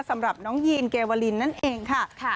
สำหรับน้องยีนเกวลินนั่นเองค่ะ